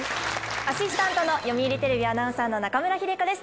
アシスタントの読売テレビアナウンサーの中村秀香です。